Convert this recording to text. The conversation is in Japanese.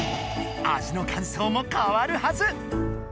味の感想もかわるはず。